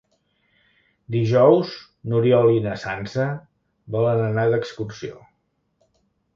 Dijous n'Oriol i na Sança volen anar d'excursió.